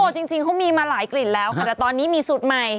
จริงเขามีมาหลายกลิ่นแล้วค่ะแต่ตอนนี้มีสูตรใหม่